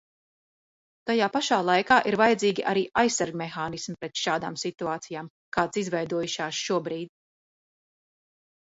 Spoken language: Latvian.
Tajā pašā laikā ir vajadzīgi arī aizsargmehānismi pret šādām situācijām, kādas izveidojušās šobrīd.